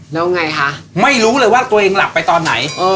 แล้วไงคะไม่รู้เลยว่าตัวเองหลับไปตอนไหน